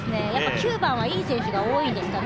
９番はいい選手が多いんですかね。